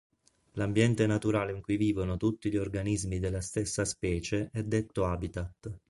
L'ambiente naturale in cui vivono tutti gli organismi della stessa specie è detto habitat.